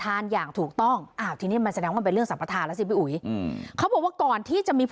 อย่างถูกต้องอ้าวทีนี้มันแสดงว่ามันเป็นเรื่องสัมปทานแล้วสิพี่อุ๋ยอืมเขาบอกว่าก่อนที่จะมีผู้